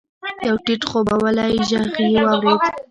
يو ټيټ خوبولی ږغ يې واورېد.